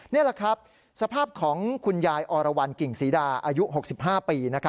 นี่แหละครับสภาพของคุณยายอรวรรณกิ่งศรีดาอายุ๖๕ปี